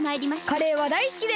カレーはだいすきです！